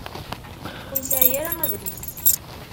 Ur nesɛi ara adlis.